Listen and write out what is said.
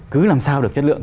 cứ làm sao được chất lượng